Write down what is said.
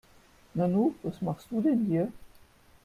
Nanu, was machst du denn hier?